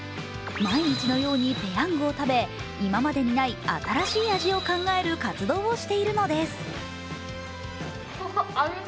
毎日のようにペヤングを食べ、今までにない新しい味を考える活動をしているのです。